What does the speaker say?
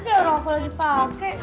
kalah kalah kalah